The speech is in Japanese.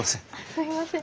すいません。